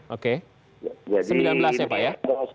oke sembilan belas ya pak ya